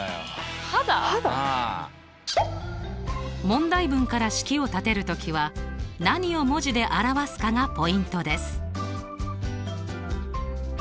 問題文から式を立てるときは何を文字で表すかがポイントです。